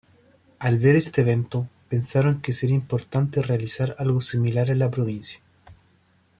Al ver este evento, pensaron que sería importante realizar algo similar en la provincia.